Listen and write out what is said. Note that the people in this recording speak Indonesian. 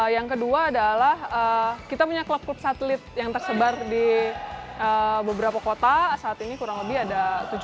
yang kedua adalah kita punya klub klub satelit yang tersebar di beberapa kota saat ini kurang lebih ada tujuh puluh